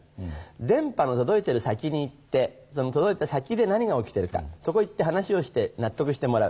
電波の届いている先に行ってその届いた先で何が起きているかそこ行って話をして納得してもらう。